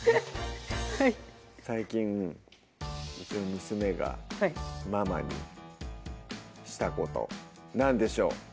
はい最近うちの娘がママにしたこと何でしょう？